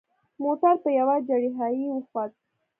موټر په یوه چړهایي وخوت.